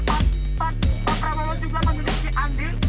pak prabowo juga memiliki andil